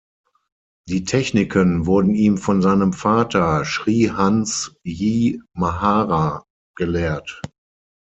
Die Techniken wurden ihm von seinem Vater, "Shri Hans Ji Maharaj", gelehrt.